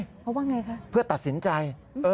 เพราะว่าไงคะเพื่อตัดสินใจ